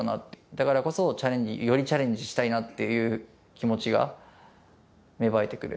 だからこそ、よりチャレンジしたいなっていう気持ちが芽生えてくる。